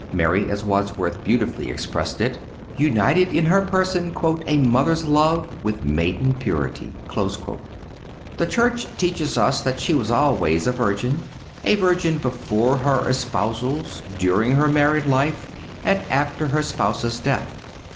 Mary, as Wordsworth beautifully expressed it, united in her person "a mother's love with maiden purity." The Church teaches us that she was always a Virgin—a Virgin before her espousals, during her married life and after her spouse's death.